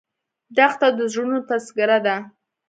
دښته د زړونو تذکره ده.